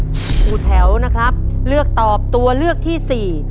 ครูแถวนะครับเลือกตอบตัวเลือกที่สี่